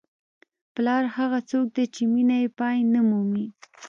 پلار هغه څوک دی چې مینه یې پای نه مومي.